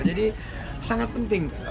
jadi sangat penting